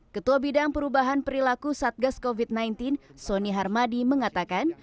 ketua bidang perubahan perilaku satgas covid sembilan belas sony harmadi mengatakan